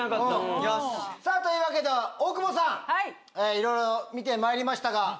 さぁというわけで大久保さんいろいろ見てまいりましたが。